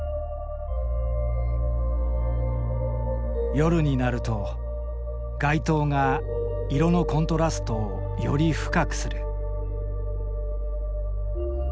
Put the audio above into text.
夜になると街灯が色のコントラストをより深くする。